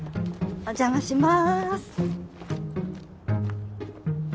お邪魔してます。